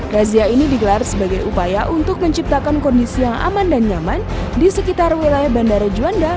razia ini digelar sebagai upaya untuk menciptakan kondisi yang aman dan nyaman di sekitar wilayah bandara juanda